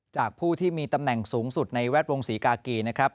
ผู้ที่มีตำแหน่งสูงสุดในแวดวงศรีกากีนะครับ